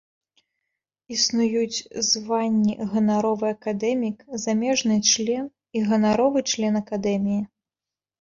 Існуюць званні ганаровы акадэмік, замежны член і ганаровы член акадэміі.